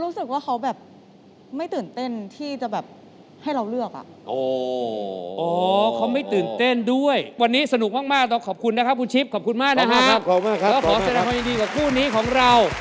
แล้วขอแสดงความยินดีกว่ากู้นนี้ของเรา